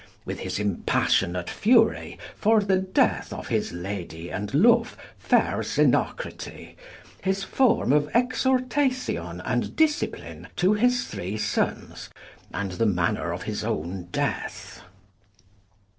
With his impassionate fury, for the death of his Lady and loue faire Zenocrate; his fourme of exhortacion and discipline to his three sons, and the maner of his own death.